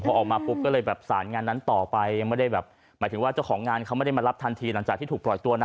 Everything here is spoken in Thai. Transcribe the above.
พอออกมาปุ๊บก็เลยแบบสารงานนั้นต่อไปยังไม่ได้แบบหมายถึงว่าเจ้าของงานเขาไม่ได้มารับทันทีหลังจากที่ถูกปล่อยตัวนะ